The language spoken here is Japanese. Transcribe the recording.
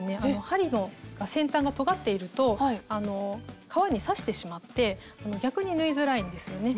針の先端がとがっていると革に刺してしまって逆に縫いづらいんですよね。